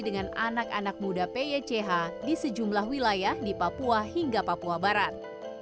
dengan anak anak muda pych di sejumlah wilayah di papua hingga papua barat